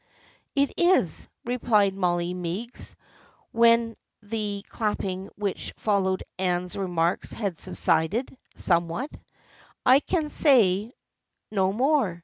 " It is," replied Molly Meigs, when the clapping which followed Anne's remarks had subsided somewhat. " I can say no more.